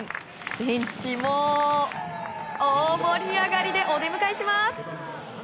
ベンチも大盛り上がりでお出迎えします！